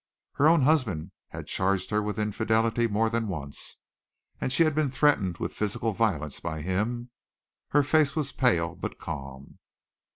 Her own husband had charged her with infidelity more than once, and she had been threatened with physical violence by him. Her face was pale but calm.